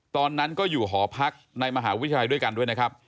ตอนนั้นก็อยู่หอพักในมหาวิทยาลัยด้วยกันด้วยนะครับ